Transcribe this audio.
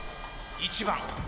１番。